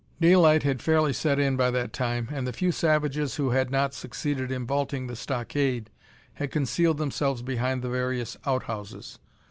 Daylight had fairly set in by that time, and the few savages who had not succeeded in vaulting the stockade had concealed themselves behind the various outhouses.